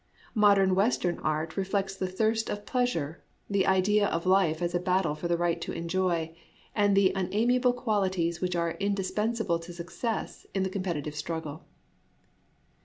Modern Western art reflects the thirst of pleasure, the idea of life as a battle for the right to enjoy, and the unamiable qualities which are indispensable to success in the com petitive struggle.